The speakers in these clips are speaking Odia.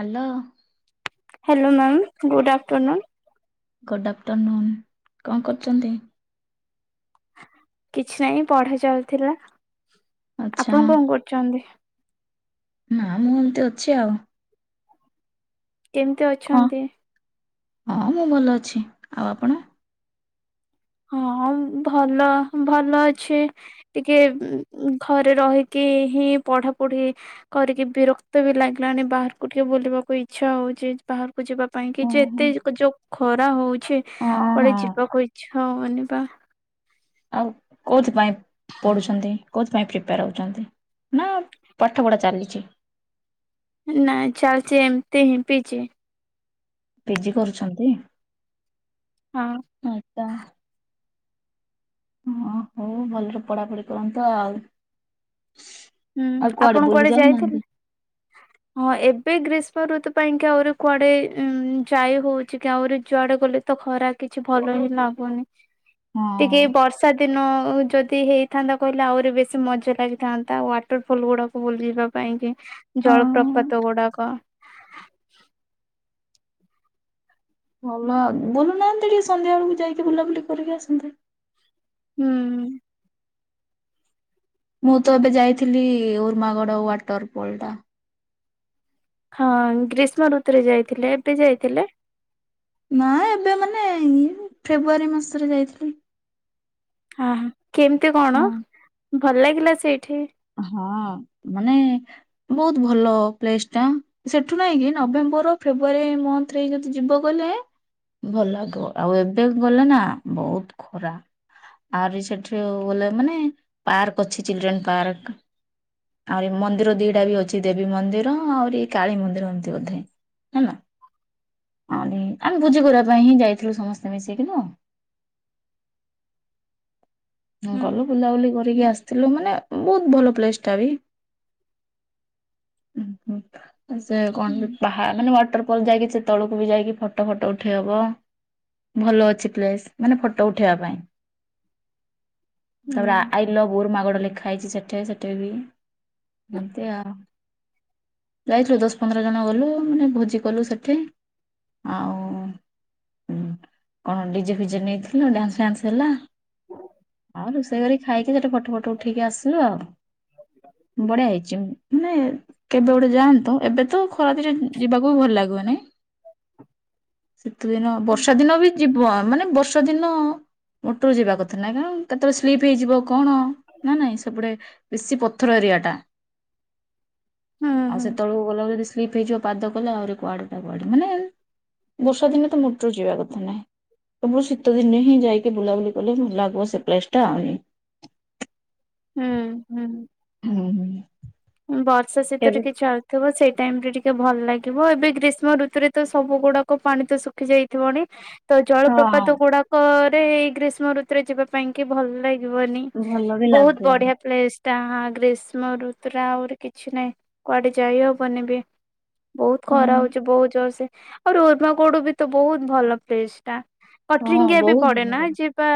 Hello. Hello ma'am good afternoon. Good afternoon କଣ କରୁଛନ୍ତି। କିଛି ନହିଁ ପଢା ଚାଲିଥିଲା। ଆଚ୍ଛା ଆପଣ କଣ କରୁଛନ୍ତି। ନା ମୁ ଏମତି ଅଛି ଆଉ। କେମିତି କଣ ଅଛନ୍ତି। ହଁ ମୁଁ ଭଲ ଅଛି ଆଉ ଆପଣ। ହଁ ଭଲ ଭଲ ଅଛି ଟିକେ ଘରେ ରହିକି ହିଁ ପଢାପଢି କରିକି ବିରକ୍ତ ବି ଲାଗିଲାଣି ବାହାରକୁ ଟିକେ ବୁଲିବାକୁ ଇଚ୍ଛା ହଉଛି ବାହାରକୁ ଯିବା ପାଇଁ କି। ଯେ ଓହୋ। ଏତେ ଯୋଉ ଖରା ହଉଛି ହଁ କୁଆଡେ ହଁ ଯିବାକୁ ଇଛା। ହଉନି ବା। ଆଉ କୋଉଥିପାଇଁ। ପଢୁଛନ୍ତି। କେଉଁଥିପାଇଁ ପ୍ରିପେୟାର ହେଉଛନ୍ତି ନା ପାଠ ପଢ଼ା ଚାଲିଛି? ନାାଇଁ ଚାଲଛି ଏମତି ହି ପିଜି। ପିଜି କରୁଛନ୍ତି? ହଁ ଆ ତା ହ ହଉ ଭଲରେ ପଢାପଢି କରନ୍ତୁ ଆଉ ହୁଁ ଆଉ ଆପଣ ବୁଲି କୁଆଡେ ଯାଉନାହାନ୍ତି? ଯାଇଥିଲେ। ହଁ ଏବେ ଗ୍ରୀଷ୍ମ ଋତୁ ପାଇଁ କି ଆହୁରି କୁଆଡେ ଯାଇ ହଉଛି କି ଆହୁରି ଯୁଆଡେ ଗଲେ ତ ଖରା କିଛି ଭଲ ହିଁ ଲାଗୁନି। ହଁ ଟିକେ ବର୍ଷା ବଷା ଦିନ ଯଦି ହେଇଥାନ୍ତା କହିଲେ ଆହୁରି ବେଶୀ ମଜା ଲାଗିଥାନ୍ତା। ାଟର ଫଲ ଗୁଡା ବୁଲ ଯିବା ପାଇଁ ଯେ ହଁ ଜଳପ୍ରପାତ ଗୁଡାକ ଭଲ ବୁଲୁନାହାନ୍ତି ଟିକେ ସନ୍ଧ୍ୟା ବେଳକୁ ଯାଇକି ବୁଲାବୁଲି କରିକି ଆସନ୍ତେ। ହୁଁ। ମୁଁ ତ ଏବେ ଯାଇଥିଲି ଉର୍ମାଗଡ ୱାଟର ପୋଲ ଟା ହଁ ଗ୍ରୀଷ୍ମ ଋତୁରେ ଯାଇଥିଲେ ଏବେ ଯାଇଥିଲେ। ନା ଏବେ ମାନେ ଫେବୃୁଆରୀ ମାସରେ ଯାଇଥିଲି। ହ କେମିତି ହଁ କଣ ଭଲ ଲାଗିଲା ସେଇଠି। ହଁ ମାନେ ବହୁତ ଭଲ ପ୍ଲେସ ଟା ସେଠୁ ନହିଁ କି ନଭେମ୍ବର ଫେବୃଆରୀ ମନ୍ଥରେ ଯଦି ଯିବ ଗଲେ ଭଲ ଲାଗିବ ଆଉ ଏବେ ଗଲେ ନା ବହୁତ ଖରାପ ଆହୁରି ସେଠି ଗଲେ ମାନେ ପାର୍କ ଅଛି ଚିଲଡ୍ରେନ୍ ପାର୍କ ଆହୁରି ମନ୍ଦିର ଦିଟା ବି ଅଛି ଦେବୀ ମନ୍ଦିର ଆହୁରି କାଳୀ ମନ୍ଦିର ଏମତି ବୋଧେ ହେଲା ଆହୁରି ଆମେ ପୂଜା କରିବା ପାଇଁ ହିଁ ଯାଇଥିଲୁ ସମସ୍ତେ ମିଶେଇକି ତ ହଁ ହୁଁ ଗଲୁ ବୁଲାବୁଲି ଆସିଥିଲୁ ମାନେ ବହୁତ ଭଲ ପ୍ଲେସ ଟା ବି। ସେ ହୁଁ କଣ ବାହା ମାନେ ସେ ତଳକୁ ଯାଇକି ଫୋଟୋ ଫଟ ଉଠେଇ ବାକୁ ହବ ଭଲ ଅଛି ପ୍ରେସ ମାନେ ଫୋଟ ଉଠେଇବା ପାଇଁ। ହୁଁ ଆର ଆଇ ଲଭ୍ ଉର୍ ମଗ ଲେଖା ହେଇଛି ସେଠେ ସେଠେ ବି ଏମତି ଆଉ ଯାଇଥିଲୁ ଦଶ ପନ୍ଦର ଜଣ ଗଲୁ ମାନେ ଭୋଜି କଲୁ ସେଠେ ଆଉ କଣ ଡିଜେ ଫିଜେ ନେଇଥିଲ ଡ୍ୟାନ୍ସ ଫ୍ୟାନ୍ସ ହେଲା। ହଁ। ଆଉ ରୋଷେଇ କରି ଖାଇକି ସେଠି ଫଟୋ ଫଟ ଉଠେଇକି ଆସିଲୁ ଆଉ ବଢିଆ ହେଇଛି ମାନେ କେବେ ଗୋଟେ ଯାଆନ୍ତୁ ଏବେ ତ ଖରାଦରେ ଯିବାକୁ ବି ଭଲ ଲାଗୁନି। ଶତେ ଦିନ ବର୍ଷା ଦିନ ବି ଯିବ ମାନେ ବର୍ଷା ଦିନ ମୋଟରୁ ଯିବା କଥା। କଥା ନା କଣ କେତେବେଳେ ସ୍ଲିପ ହେଇଯିବ। କଣ ନା ନାଇଁ ସେପୁଟେ ବେଶୀ ପଥର ଏରିଆଟା। ହୁଁ ଆଉ ହୁଁ ସେତେବେଳକୁ ଗଲା ଯଦି ସ୍ଲିପ୍ ହେଇଯିବ। ପାଦ କଲେ ଆହୁରି କୁଆଡେ ଟା କୁଆଡେ ମାନେ ବର୍ଷା ଦିନେ ତ ମଟରୁ ଯିବା କଥା ନାହିଁ ସବୁ ଶୀତ ଦିନେ ହିଁ ଯାଇକି ବୁଲାବୁଲି କଲେ ମ ଲାଗିବ ସେ ପ୍ଲେସ ଟା ଆ ହୁଁ ହୁଁ। ହଁ ହୁଁ। ବର୍ଷା ଶୀତ ଏବେ ଟିକେ ଚାଲୁଥିବ ସେଇଠା ଟାଇମ ରେ ଟିକେ ଭଲ ଲାଗିବ ଏବେ ଗ୍ରୀଷ୍ମ ଋତୁରେ ତ ସବୁ ଗୁଡାକ ପାଣି ତ ଶୁଖି ଯାଇଥିବନି। ତ ହଁ ଜଳପ୍ରପାତ ଗୁଡାକ ଏଇ ଗ୍ରୀଷ୍ମ ଋତୁରେ ଯିବା ପାଇଁ କି ଭଲ ଲା ଗିବନି ଭଲ ବି ବୋହୁତ ଲାଗିବନି। ବଢ଼ିଆ ପ୍ଲେସ୍। ତା ଗ୍ରୀଷ୍ମ ଋ ତୁରେ ଆହୁରି କିଛି ନାଇଁ କୁଆଡ଼େ ଯାଇ ହବନି ବି। ବୋହୁତ ଖରା ହୁଁ ହୋଉଚି ବୋହୁତ ଜୋରସେ। ଆଉ ରୁଦମାକୋଡ଼ୁ ବି ତ ବୋହୁତ ଭଲ ପ୍ଲେସ୍ ଟା। ହଁ କଟରିଙ୍ଗିଆ ବି ବହୁତ ପଡ଼େ ନାଁ ଯିବା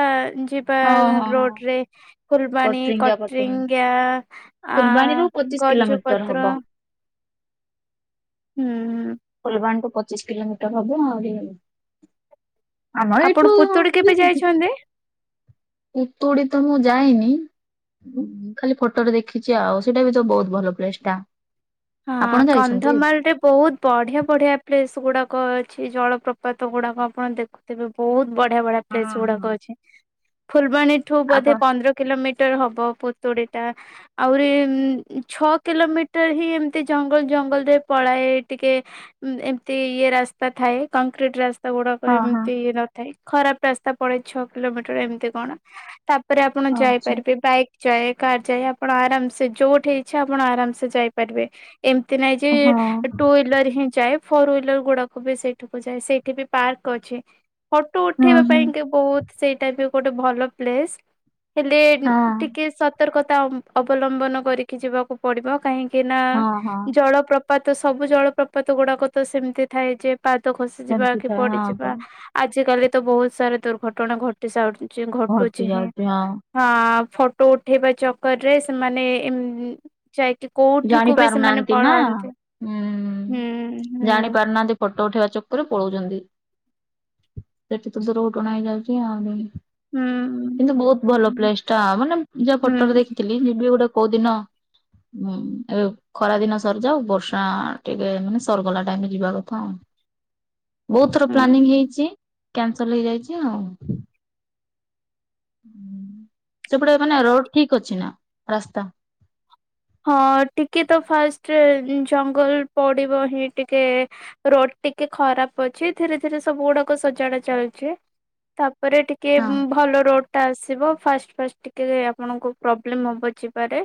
ଯିବା ହଁ ହଁ ହଁ ରୋଡ଼ରେ। ଫୁଲବାଣୀ କଟରିଙ୍ଗିଆ କଟ୍ରିଙ୍ଗିଆ ଆ ପଚିଶ୍ କିଲୋମିଟର ଗଞ୍ଜପତ୍ର ହବ। ହୁଁ ଫୁଲବାଣୀଠୁ ପଚିଶ କିଲୋମିଟର ହବ ଆହୁରି ଆମର ଏଇଠୁ ଆପଣ ପୁତୁୁଡ଼ି କେବେ ଯାଇଛନ୍ତି? ପୁତୁଡି଼ ତ ମୁଁ ଯାଇନି ଉଁ ଖାଲି ଫଟୋରେ ଦେଖିଚି ଆଉ ସେଟା ବି ତ ବୋହୁତ ଭଲ ପ୍ଲେସ୍ ଟା। ଆପଣ ହଁ ଯାଇଛନ୍ତି? କନ୍ଧମାଳରେ ବୋହୁତ ବଢ଼ିଆ ବଢ଼ିଆ ପ୍ଲେସ୍ ଗୁଡ଼ା କ ଅଛି ଜଳପ୍ରପାତଗୁଡ଼ାକ ଆପଣ ଦେଖୁଥିବେ ବୋହୁତ ବଢ଼ିଆ ବଢ଼ିଆ ହଁ ହଁ। ପ୍ଲେସଗୁଡ଼ାକ ଅଛି ଫୁଲବାଣୀଠୁ ବୋଧେ ଆପଣ ପନ୍ଦର କିଲୋମି ଟର ହବ ପୁତୁଡ଼ିଟା ଆହୁରି ଛଅ କିଲୋମିଟର ହିଁ ଏମ୍ ତି ଜଙ୍ଗଲ ଜଙ୍ଗଲରେ ପଳାଏ ଟିକେ ଉଁ ଏମତି ଇଏ ରାସ୍ତା ଥାଏ କଂକ୍ରିଟ ରାସ୍ ରାସ୍ତାଗୁଡ଼ାକ ହଁ ହଁ ଏମତି ନଥାଏ। ଖରାପ ରାସ୍ତା ପଡ଼େ ଛଅ କିଲୋମିଟର ଏମତି କଣ ତା ପରେ ଆପଣ ହଁ ଅଛି ଯାଇପାରିବେ ବାଇକ୍ ଯାଏ କାର୍ ଯାଏ ଆପଣ ଆରାମସେ ଯୋଉଠି ଇଚ୍ଛା ଆପଣ ଆରାମସେ ଯାଇପାରିବେ। ଏମତି ନାଇଁ ଯେ ହଁ ହଁ ଟୁ ୱିଲର ହିଁ ଯାଏ ଫୋର ହ୍ୱିଲରଗୁଡ଼ାକ ବି ସେଇଠୁକୁ ଯାଏ। ସେଇଠି ବି ପାର୍କ ଅଛି। ଫଟୋ ଉଠେଇବା ହଁ। ପାଇଁ କି ବୋହୁତ ସେଇଟା ବି ଗୋଟେ ଭଲ ପ୍ଲେସ୍। ହେଲେ ହଁ ଟିକେ ସ ତର୍କତା ଅବଲମ୍ବନ କରିକି ଯିବାକୁ ପଡ଼ିବ କାହିଁ କିନା ହଁ ହଁ ଜଳ ପ୍ର ପାତ ସବୁ ଜଳପ୍ରପାତଗୁଡ଼ାକ ତ ସେମତି ଥାଏ ଯେ ପାଦ ଖସିଯିବା ସେମିତି କି ଥାଏ ହଁ ପଡ଼ିଯିବା ବା ଆଜିକାଲି ତ ବହୁତ ସାରା ଦୁର୍ଘଟଣା ଘ ଘଟିସାରିଛି ଘଟି ଘଟୁଛି ହିଁ ଯାଉଛି ହଁ ହଁ ଫଟୋ ଉଠେଇବା ଚକରରେ ସେମାନେ ଏମ୍ ଯାଇକି କୋଉଠିକୁ ବି ସେମାନେ ନାହାନ୍ତି ନା ପଳାନ୍ତି ହୁଁ ଜାଣି ହୁଁ। ପାରୁନାହାନ୍ତି ପ ଟ ଉଠେଇବା ଚକରରେ ପଳଉଛନ୍ତି ସେଠି ତ ତ ର ଉ ଟଣା ହେଇଯାଉଛି ଆଉ। ହୁଁ କିନ୍ତୁ ବହୁତ ଭଲ ପ୍ଲେସ ଟା ମାନେ ଯାହା ହୁଁ ଫଟୋରେ ଦେଖିଥିଲି ଯିବି ଗୋଟେ କୋଉଦିନ ହୁଁ ଏ ଖରା ଦିନ ସରିଯାଉ ବର୍ଷା ଟିକେ ମାନେ ସରଗଲା ଟାଇମରେ ଯିବା କଥା ଆଉ ବହୁତ ଥର ପ୍ଲାନିଂ ହୁଁ। ହେଇଛି କ୍ୟାନସଲ ହେଇଯାଇଛି ଆଉ ସେପଟେ ମାନେ ରୋଡ ଠିକ ଅଛି ନା ରାସ୍ତା? ହଁ ଟିକେ ତ ଫାଷ୍ଟ ଜଙ୍ଗଲ ପଡିବ ହିଁ ଟିକେ ରୋଡ ଟିକେ ଖରାପ ଅଛି ଧୀରେ ଧୀରେ ସବୁ ଗୁଡାକ ସଜାଡା ଚାଲଛି ତାପ ପରେ ଟିକେ ହଁ। ଭଲ ରୋଡ ଟା ଆସ ଫ ଫାଷ୍ଟ ଟିକେ ଆପଣ ପ୍ରୋବ୍ଲେମ ହବ ଯିବାରେ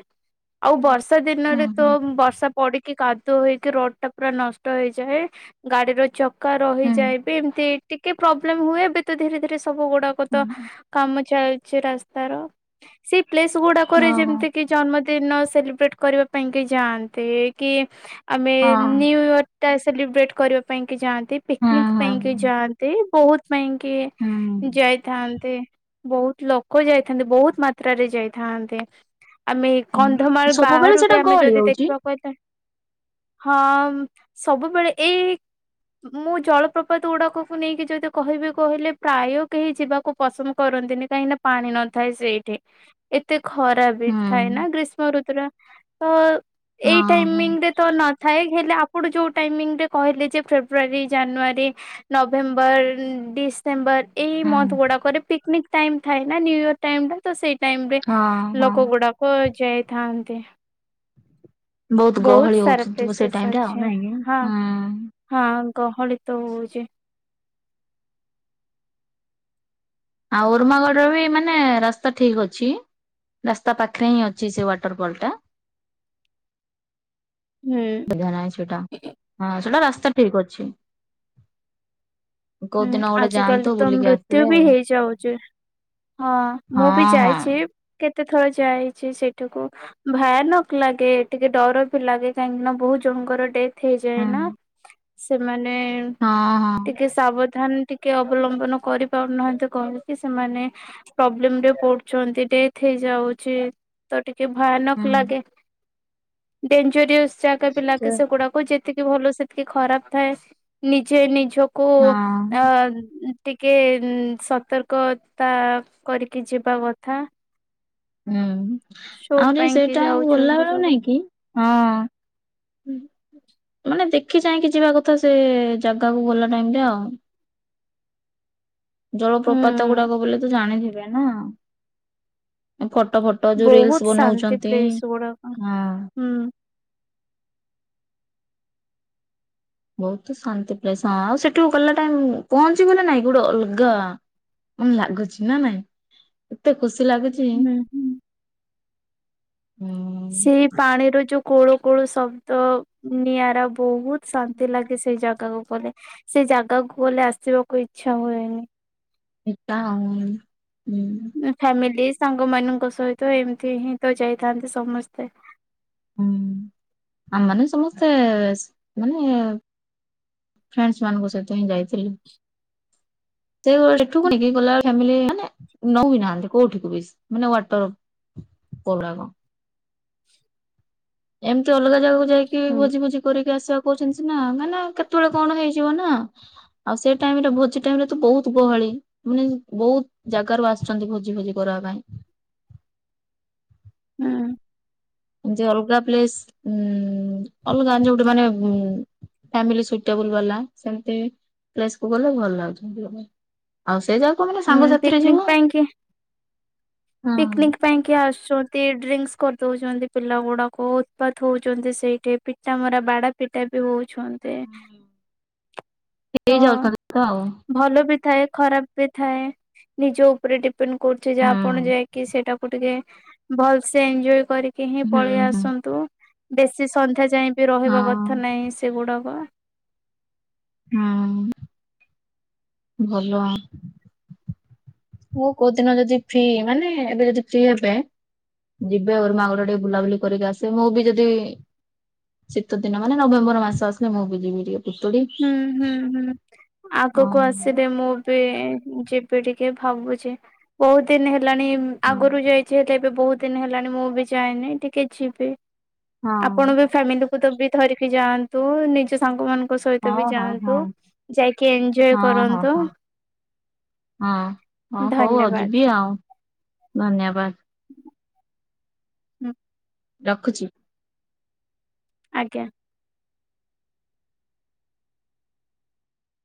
ଆଉ ବର୍ଷା ହୁଁ ଦିନରେ ତ ହୁଁ ବର୍ଷା ପଡି କି କାଦୁଆ ହେଇକି ରୋଡ ଟା ପୁରା ନଷ୍ଟ ହେଇଯାଏ ଗାଡିର ହୁଁ ରହିଯାଏ ବି ଏମିତି ଟିକେ ପ୍ରୋବ୍ଲେମ୍ ହୁଏ ଏବେ ତ ଧରେ ଧୀରେ ସବୁ ଗୁଡାକ ତ ହୁଁ କାମ ଚାଲିଛି ରାସ୍ତାର ସେ ସ୍ ଗୁଡାକରେ ଓହୋ ଯେମିତି କି ଜନ୍ମ ତିନ ସେଲିବ୍ରେଟ କରିବା ପାଇଁ କି ଯାଆନ୍ତେ କି ଆମେ ହଁ ନିଉ ଇଅର୍ ତା ସେଲିବ୍ରେଟ୍ କରିବା ପାଇଁ କି ଯାଆନ୍ତି। ହୁଁ ପିକନିକ ପାଇଁକ ହୁଁ ଯାଆନ୍ତେ ବହୁତ ପାଇଁ କି ହୁଁ। ଯାଇଥାନ୍ତି। ବହୁତ ଲୋକ ଯାଇଥାନ୍ତି ବହୁତ ମାତ୍ରାରେ ଯାଇଥାନ୍ତେ। ଆମେ କଣ? ହୁଁ ସବୁବେଳେ ବାହାରୁ ସେଟା ବି ଆମେ ଗହଳି ଯଦି ହଉଛି ଦେଖିବାକୁ କହିଲ ହଁ ସବୁବେଳେ ଏଇ ମୁଁ ଜଳପ୍ରପାତ ଗୁଡାକକୁ ନେଇକି ଯଦି କହିବି କହିଲେ ପ୍ରାୟ କେହି ଯିବାକୁ ପସନ୍ଦ କରନ୍ତିନି କାହିଁକିନା ପାଣି ନଥାଏ ସେଇଠି ଏତେ ଖରାପ ବି ହୁଁ ଥାଏ ନା ଗ୍ରୀଷ୍ମ କରୁଥିଲା ତ ଏଇ ହଁ ହଁ। ଟାଇମିଂ ରେ ତ ନଥାଏ ହେଲେ ଆପ ଆପଣ ଯଉଁ ଟାଇମିଙ୍ଗରେ କହିଲେ ଯେ ଫେବୃଆାରୀ ଜାନୁଆରୀ ନଭେମ୍ବର ଡିସେମ୍ବର ଏଇ ହୁଁ ମନ୍ଥ ଗୁଡ଼ାକରେ ପିକ୍ନିକ ଟାଇମ ଥାଏ ନା ନିୁ ଇୟର ଟାଇମ୍ ଟା ତ ସେ ଟାଇମ୍ ରେ ହଁ ହଁ। ଲୋକ ଗୁଡାକ ଯାଏ ତ ଥାଆନ୍ତି। ବହୁତ ଗହଳି ହଉଛନ୍ତି ତ ସେ ପ୍ଲେସେସ୍ ଟାଇମରେ ଆଉ ଅଛି। ନାଇଁଁ ହଁ ହୁଁ। ହଁ ଗହଳି ତ ହଉଚି। ଆଉ ଉରୁମାଗଡ଼ରେ ବି ମାନେ ରାସ୍ତା ଠିକ୍ ଅଛି ରାସ୍ତା ପାଖରେ ହିଁ ଅଛି ସେ ୱାଟର ପଲ୍ ଟା। ହୁଁ। ସୁବିଧା ନାଇଁ ସେଟା ହଁ ସେଟା ରାସ୍ତା ତା ଠିକ ଅଛି। କୋଉ ହୁଁ ଦିନ ଗୋଟେ ଯାଆନ୍ତୁ ଆଜିକାଲି ତ ବୁଲିକି ମୃତ୍ୟୁ ଆସିବେ ବି ଆଉ ହେଇଯାଉଛି ହଁ ମୁଁ ବି ହଁ ହଁ। ଯାଇଚି କେତେ କେତେଥର ଯାଇଚି ସେଇଠିକୁ ଭୟାନକ ଲାଗେ ଟିକେ ଡର ବି ଲାଗେ କାହିଁକି ନା ବହୁତ୍ ଜଣଙ୍କର ଡେଥ୍ ହେଇଯାଏ ନା। ହୁଁ ସେମାନେ ହଁ ହଁ। ଟିକେ ସାବଧାନ ଟିକେ ଅବଲମ୍ବନ କରିପାରୁନାହାନ୍ତି କହକି ସେମାନେ ପ୍ରୋବ୍ଲେମରେ ପଡୁଛନ୍ତି ଡେଥ୍ ହେଇଯାଉଚି ତ ଟିକେ ଭୟାନକ ହୁଁ ଲାଗେ। ଡେଞଜରିୟସ ଜାଗା ପିଲା କେ ସେ ସେଗୁଡାକୁ ଯେ ସେତିକି ଭଲ ସେତିକି ଖରାପ ଥାଏ ନିଜେ ନିଜକୁ କୁ ହଁ। ଅ ଟିକେ ସତର୍କତା କରିକି ଯିବା କଥା। ହୁଁ। ସୁଟ ଆହୁରି ପାଇଁ କି ସେଇଟା ଗଲା ଯାଉଛନ୍ତି ବେଳକୁ ସବୁ ନାଇଁ କି ହଁ। ମାନେ ଦେଖି ଚାହିକି ଯିବା କଥା ସେ ଜାଗାକୁ ଗଲା ଟାଇମ୍ ରେ ଆଉ। ଜଳପ୍ରପାତ ହୁଁ ଗୁଡାକ ବୋଲି ତୁ ଜାଣିଥିବୁ। [unintelligible] ଫଟ ଫଟ ଯୋଉ ରିଲ୍ ବହୁତ ସି ଶାନ୍ତି ବନଉଛନ୍ତି ପ୍ଲେସ ଗୁଡାକ। ହଁ। ହୁଁ ବହୁତ ଶାନ୍ତି ପ୍ରସ ହଁ ଆଉ ସେଠୁ ଗଲା ଟାଇ ପହଞ୍ଚିିବଲେ ନାଇଁ ଗୋଟେ ଅଲଗା ମେ ଲାଗୁଛି ନା ନାଇଁ ଏତେ ଖୁସି ଲାଗୁ ହୁଁ ହୁଁ। ହୁଁ। ସେଇ ପାଣିର ଯୋଉ କୋଳୁ କୋଳୁ ଶବ୍ଦ ନିଆରା ବହୁତ୍ ଶାନ୍ତି ଲାଗେ ସେଇ ଜାଗାକୁ କଲେ ସେ ଜାଗାକୁ ଗଲେ ଆସିବାକୁ ଇଚଛା ହୁଏନି। ହେଟା ଆଉ। ହୁଁ। ଫ୍ୟାମିଲି ସାଙ୍ଗ ମାନଙ୍କ ସହିତ ଏମିତି ହିଁ ତ ଯାଇଥାନ୍ତି ସମସ୍ତେ ହୁଁ ଆମମାନେ ସମସ୍ତେ ମାନେ ଫ୍ରେଣ୍ଡ ମାନଙ୍କ ସହିତ ହିଁ ଯାଇଥିଲେ। ସେ ସେଠୁ କକି ହୁଁ ଗଲା ଫିଲି ମାନେ ନଉ ବିି ନାହାନ୍ତି କୋଉଠିକୁ ବି ମାନେ ୱଟର କଉଡା କଣ ଏମିତି ଅଲଗା ଜାଗାକୁ ଯାଇକି ଭୋଜି ଭୋଜି କରିକି ଆସିବା। କହୁଛନ୍ତି ନା ମାନ କେତେବେଳେ କଣ ହେଇଯିବ ନା ଆଉ ସେ ଟାଇମରେ ଭୋଜି ଟାଇମ ରେ ତ ବହୁତ ଗହଳି ମାନେ ବହୁତ ଜାଗ ର ଆସଛନ୍ତି ଭୋଜି ଭୋଜି କରିବା ପାଇଁ ହୁଁ। ଅଲଗା ପ୍ସ ଉ ଅଲଗାଟ ମାନେବଲ ବାଲା ସେମତି କ ଗଲେ ଭଲ ଲାଗୁ ଆଉ ସେ ଯାଉ ହଁ ପିକନିକ ପାଇଁ କି ହଁ। ପିକନିକ ପାଇଁ କି ଆସୁଛ ଡ୍ରିଙ୍କସ୍ କରିଦଉଛନ୍ତି ପିଲା ଗୁଡା ଉତ୍ପାାତ ହଉଛନ୍ତି ସେଇଠି ପିଠା ମରା ବାଡା ପିଠା ବି ହଉଛି। ହେଇ ତ ଯାଉଛନ୍ତି ତ ଆଉ। ଭଲ ବି ଥାଏ ଖରାପ ବି ଥାଏ ନିଜ ଉପରେ ଡିପେ - କରୁଛି ଯେ ହୁଁ ଆପଣ ଯାଇକି ସେଇଟା ଟିକେ ଭଲସେ ଏଞ୍ଜୟ କରି କେହି ହୁଁ ପଳେଇ ହୁଁ। ଆସନ୍ତୁ ବେଶୀ ସନ୍ଧ୍ୟା ଯାଏ ବି ରହିବା କଥା ହଁ ନାହିଁ ସେଗୁଡାକ ହଁ ଭଲ ମୁଁ କୋଉ ଦିନ ଯଦି ଫ୍ରି ମାନେ ଏବେ ଯଦି ଫ୍ରି ହେବେ ଯିବେ ମୋର ମାଆ ଘର ଟିକେ ବୁଲାବୁଲି କରିକି ଆସିବେ ମୁଁ ବି ଯଦି ଶୀତ ଦିନ ମାନେ ନଭେମ୍ବର ମାସ ଆସିଲେ ମୁଁ ବି ଯିବି ଟିକେ ପୁତୁଡି। ହୁଁ ହୁଁ ହୁଁ ହଁ ଆଗକୁ ଆସିଲି ମୁଁ ବି ଯି - ଟିକେ ଭାବୁଛି ବହୁତ ଦିନ ହେଲା ହେଲାଣି ହଁ ଆଗରୁ ଯାଇଛି ହେଲେ ଏବେ ବହୁତ ଦିନ ହେଲାଣି ମୁଁ ବି ଯାଇନି ଟିକେ ଯିବି ଆପଣ ବି ଫାମିଲି ତ ବି ଧରିକି ଯାଆନ୍ତୁ ନିଜ ସାଙ୍ଗ ମାନଙ୍କ ସହିତ ହଁ ବି ହଁ ଯାଆନ୍ତୁ। ହଁ ଯାଇକି ଏଞ୍ଜୟ ହଁ ହଁ କରନ୍ତୁ ହଁ ହଁ ହଁ ହଉ ଆଉ ଧନ୍ୟବାଦ ଯିବି ଆଉ ଧନ୍ୟବାଦ ହୁଁ। ରଖୁଚି। ଆଜ୍ଞା।